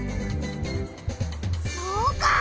そうか！